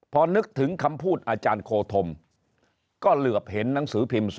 พอนึกถึงคำพูดอาจารย์โคธมก็เหลือบเห็นหนังสือพิมพ์